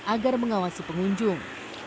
agar mengawasi pengunjung